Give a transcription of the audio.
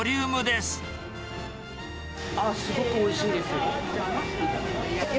すごくおいしいですよ。